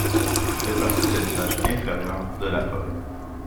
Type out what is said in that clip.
Il fait partie de l’étage inférieur de la forêt.